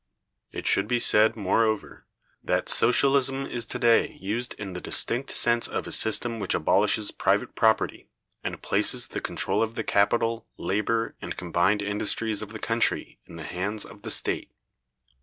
It should be said, moreover, that Socialism is to day used in the distinct sense of a system which abolishes private property, and places the control of the capital, labor, and combined industries of the country in the hands of the state.